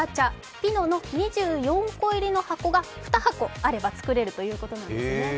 ピノの２４個入りの箱が２箱あれば作れるということなんですね。